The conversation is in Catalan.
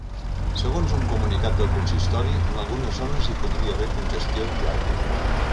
Segons un comunicat del consistori, en algunes zones hi podria haver congestió viària.